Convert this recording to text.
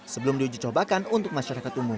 sebelum diujicobakan untuk masyarakat umum